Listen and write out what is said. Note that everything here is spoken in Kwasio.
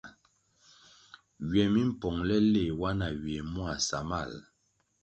Ywe mi pongʼle nle wa na ywè mua samal ?